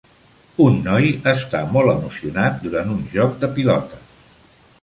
Un noi està molt emocionat durant un joc de pilota.